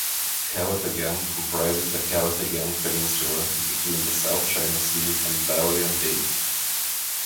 Calatagan comprises the Calatagan Peninsula between the South China Sea and Balayan Bay.